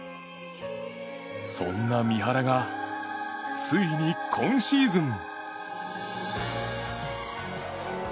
そんな三原がついに今シーズン。